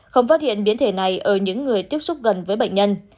không phát hiện biến thể này ở những người tiếp xúc gần với bệnh nhân